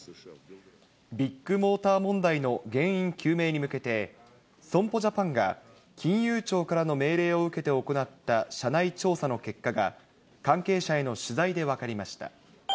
ビッグモーター問題の原因究明に向けて、損保ジャパンが、金融庁からの命令を受けて行った社内調査の結果が、関係者への取材で分かりました。